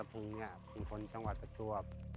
ผมเป็นคนจังหวัดประจวบ